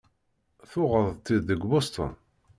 Tuɣeḍ-t-id deg Boston?